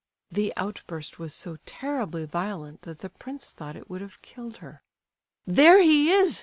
The outburst was so terribly violent that the prince thought it would have killed her. "There he is!"